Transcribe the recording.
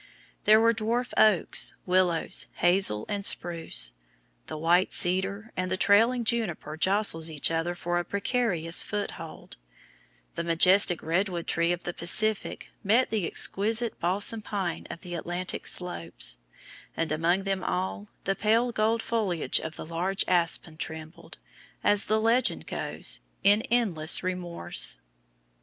There were dwarf oaks, willows, hazel, and spruce; the white cedar and the trailing juniper jostled each other for a precarious foothold; the majestic redwood tree of the Pacific met the exquisite balsam pine of the Atlantic slopes, and among them all the pale gold foliage of the large aspen trembled (as the legend goes) in endless remorse.